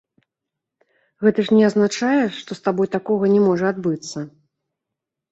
Гэта ж не азначае, што з табой такога не можа адбыцца.